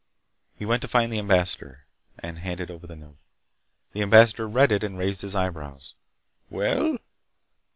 He went to find the ambassador. He handed over the note. The ambassador read it and raised his eyebrows. "Well?"